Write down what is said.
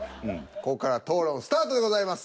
ここから討論スタートでございます。